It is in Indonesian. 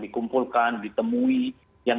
dikumpulkan ditemui yang